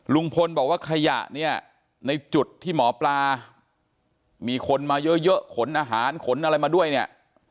ลุงพลบอกว่าขยะเนี่ยในจุดที่หมอปลามีคนมาเยอะขนอาหารขนอะไรมาด้วยเนี่ย